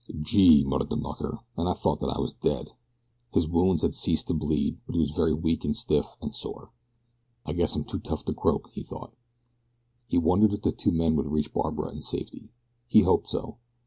"Gee!" muttered the mucker; "and I thought that I was dead!" His wounds had ceased to bleed, but he was very weak and stiff and sore. "I guess I'm too tough to croak!" he thought. He wondered if the two men would reach Barbara in safety. He hoped so.